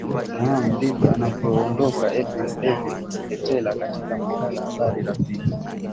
naam ndivyo anavyoondoka edwin david ndeketela katika makala habari rafiki